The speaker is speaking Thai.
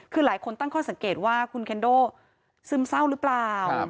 คือหลายคนตั้งข้อสังเกตว่าคุณเคนโดซึมเศร้าหรือเปล่า